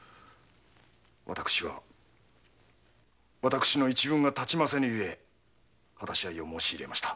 私は私の一分が立ちませぬゆえ果たし合いを申し入れました。